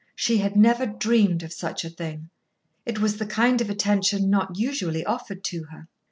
She had never dreamed of such a thing. It was the kind of attention not usually offered to her.